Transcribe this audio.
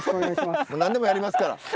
何でもやりますから。